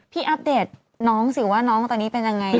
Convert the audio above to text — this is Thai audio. อัปเดตน้องสิว่าน้องตอนนี้เป็นยังไง